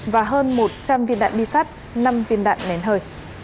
và hơn một trăm linh viên đạn bi sắt năm viên đạn nến hơi